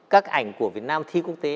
các ảnh của việt nam thi quốc tế